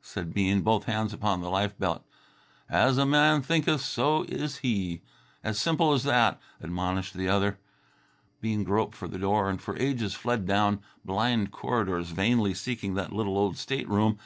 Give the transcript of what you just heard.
said Bean, both hands upon the life belt. "'As a man thinketh, so is he!' As simple as that," admonished the other. Bean groped for the door and for ages fled down blind corridors, vainly seeking that little old stateroom.